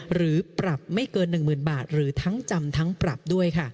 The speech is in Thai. หรือปรับไม่เกิน๑๐๐๐บาทหรือทั้งจำทั้งปรับด้วยค่ะ